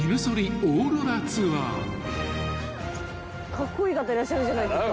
カッコイイ方いらっしゃるじゃないですか。